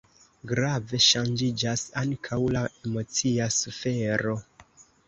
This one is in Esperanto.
Grave ŝanĝiĝas ankaŭ la emocia sfero.